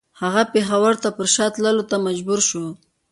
هغه پېښور ته پر شا تللو ته مجبور شو.